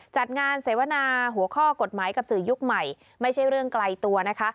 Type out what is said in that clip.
จัดงานเสวนาหัวข้อกฎหมายกับสื่อยุคใหม่ไม่ใช่เรื่องไกลตัวนะคะ